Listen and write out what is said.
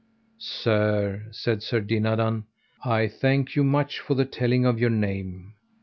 Sir, said Sir Dinadan, I thank you much for the telling of your name.